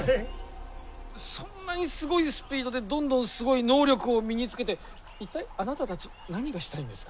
そんなにすごいスピードでどんどんすごい能力を身につけて一体あなたたち何がしたいんですか？